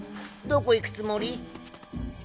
どこ行くつもり？